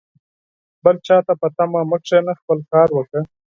بل چاته په تمه مه کښېنه ، خپله کار وکړه